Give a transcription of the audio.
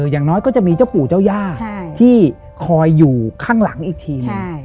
อย่างน้อยก็จะมีเจ้าปู่เจ้าย่าที่คอยอยู่ข้างหลังอีกทีหนึ่ง